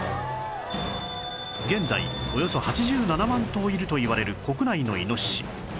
現在およそ８７万頭いるといわれる国内のイノシシ